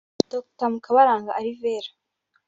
Dr Mukabaramba Alvera